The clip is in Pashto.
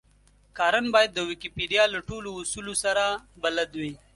کارن بايد د ويکيپېډيا له ټولو اصولو سره بلد وي.